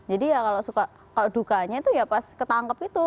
jadi ya kalau suka kalau dukanya itu ya pas ketangkep gitu